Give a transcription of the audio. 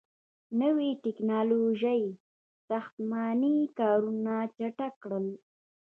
• نوي ټیکنالوژۍ ساختماني کارونه چټک کړل.